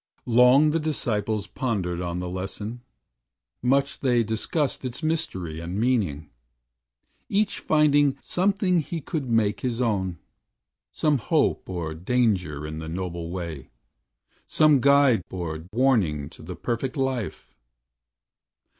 Long the disciples pondered on the lesson Much they discussed its mystery and meaning, Each finding something he could make his own, Some hope or danger in the Noble Way, Some guide or warning to the Perfect Life.